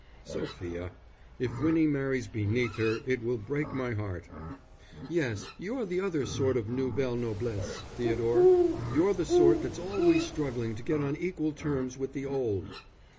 "Sophia, if Winnie marries beneath her it will break my heart." "Yes, you're the other sort of nouvelle noblesse, Theodore: you're the sort that's always struggling to get on equal terms with the old."